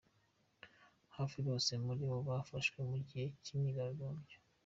Hafi bose muri bo bafashwe mu gihe cy’imyigaragambyo.